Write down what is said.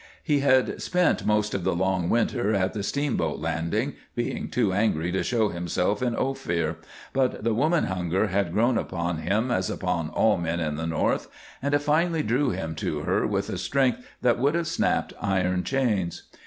He had spent most of the long winter at the steamboat landing, being too angry to show himself in Ophir, but the woman hunger had grown upon him, as upon all men in the North, and it finally drew him to her with a strength that would have snapped iron chains.